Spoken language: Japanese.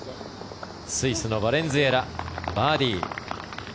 スイスのバレンズエラバーディー。